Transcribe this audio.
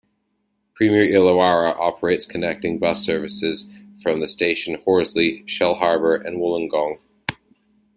Premier Illawarra operates connecting bus services from the station to Horsley, Shellharbour and Wollongong.